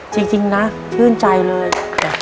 จริงนะชื่นใจเลย